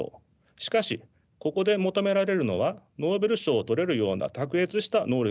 しかしここで求められるのはノーベル賞を取れるような卓越した能力ではありません。